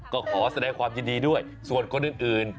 ก็ขอแสดงความยินดีด้วยส่วนคนอื่น